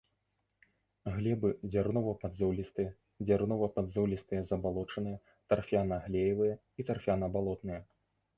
Глебы дзярнова-падзолістыя, дзярнова-падзолістыя забалочаныя, тарфяна-глеевыя і тарфяна-балотныя.